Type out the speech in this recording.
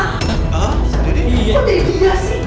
kok jadi dia sih